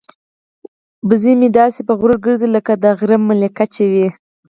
وزه مې داسې په غرور ګرځي لکه د غره ملکه چې وي.